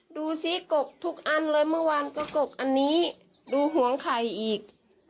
ดูสิกกทุกอันเลยเมื่อวานก็กกอันนี้ดูห่วงไข่อีก